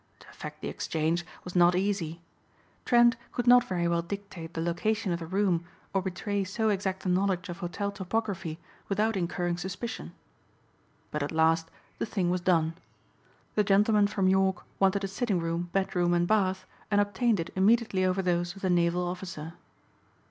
To effect the exchange was not easy. Trent could not very well dictate the location of the room or betray so exact a knowledge of hotel topography without incurring suspicion. But at last the thing was done. The gentleman from York wanted a sitting room, bedroom and bath and obtained it immediately over those of the naval officer.